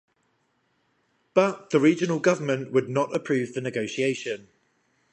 But the regional government would not approve the negotiation.